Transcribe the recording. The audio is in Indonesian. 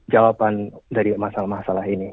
jawaban dari masalah masalah ini